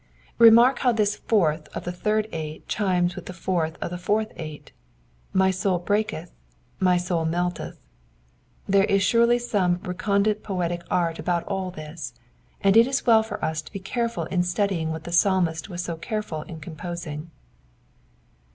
Remark how this fourth of the third eight chimes with the fourth of the fourth eight. My soul breaTceth" ;my soul melteth.'^ There is surely some recondite poetic art about all this, and it is well for us to be careful in studying what the psalmist was so careful in composing.